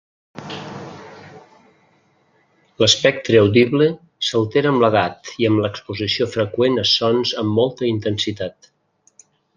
L'espectre audible s'altera amb l'edat i amb l'exposició freqüent a sons amb molta intensitat.